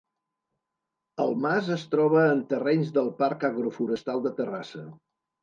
El mas es troba en terrenys del Parc Agroforestal de Terrassa.